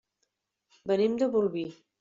Venim de Bolvir.